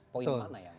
poin dimana ya